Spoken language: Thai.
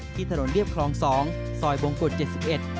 ที่ถนนเรียบคลอง๒ซอยบงกุฎ๗๑